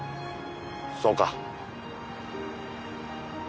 そうか。